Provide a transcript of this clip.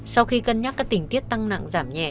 sau khi cân nhắc các tình tiết tăng nặng giảm nhẹ